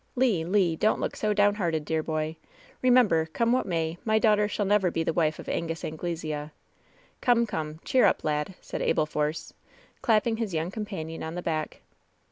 *^Le ! Le I donH look so down hearted, dear boy ! Re member, come what may, my daughter shall never be the wife of Angus Anglesea! Come, come, cheer up, lad !" said Abel Force, clapping his young companion on the back.